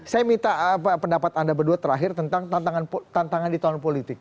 saya minta pendapat anda berdua terakhir tentang tantangan di tahun politik